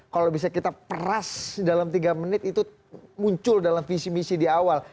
kalau bisa kita peras dalam tiga menit itu muncul dalam visi misi di awal